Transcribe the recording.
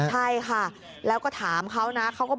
ใช่ค่ะแล้วถามเขาว่า